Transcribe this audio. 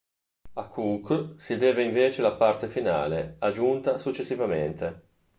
A Cooke si deve invece la parte finale, aggiunta successivamente.